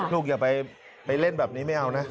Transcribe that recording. อย่าไปเล่นแบบนี้ไม่เอานะ